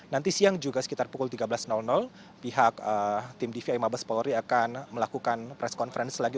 nanti siang juga sekitar pukul tiga belas pihak tim dvi mabes polri akan melakukan press conference lagi